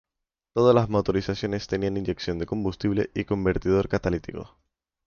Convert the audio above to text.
Todas las motorizaciones tenían inyección de combustible y convertidor catalítico.